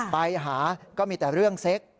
ไปหาก็มีแต่เรื่องเซ็ก